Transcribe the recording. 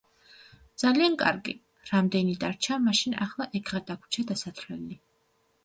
ძალიან კარგი. რამდენი დარჩა მაშინ ახლა ეგღა დაგვრჩა დასათვლელი.